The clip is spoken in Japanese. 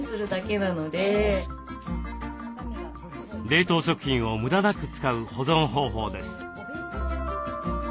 冷凍食品を無駄なく使う保存方法です。